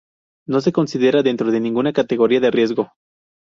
No se considera dentro de ninguna categoría de riesgo.